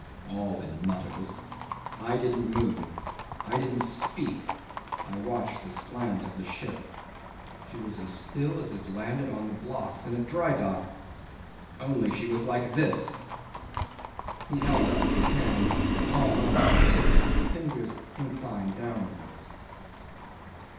All in mutters. I didn't move, I didn't speak. I watched the slant of the ship. She was as still as if landed on the blocks in a dry dock only she was like this," He held up his hand, palm under, the tips of the fingers inclined downwards.